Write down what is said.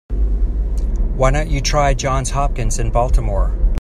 Why don't you try Johns Hopkins in Baltimore?